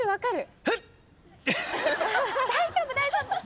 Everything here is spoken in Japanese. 大丈夫大丈夫。